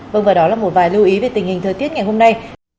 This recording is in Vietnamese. vâng và đó là một vài lưu ý về tình hình thời tiết ngày hôm nay